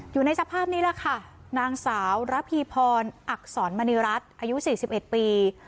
อยู่ในสภาพนี้แหละค่ะนางสาวระพีพรอักษรมณีรัฐอายุ๔๑ปี